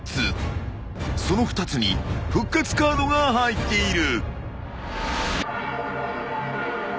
［その２つに復活カードが入っている］